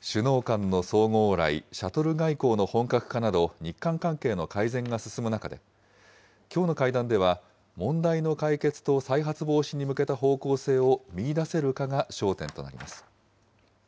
首脳間の相互往来、シャトル外交の本格化など、日韓関係の改善が進む中で、きょうの会談では、問題の解決と再発防止に向けた方向性を見いだせるかが焦点となります。